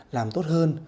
làm tốt hơn